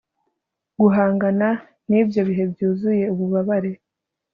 guhangana nibyo bihe byuzuye ububabare